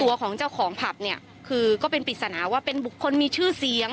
ของเจ้าของผับเนี่ยคือก็เป็นปริศนาว่าเป็นบุคคลมีชื่อเสียง